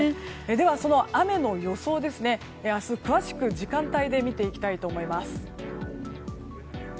では雨の予想を明日、詳しく時間帯で見ていきたいと思います。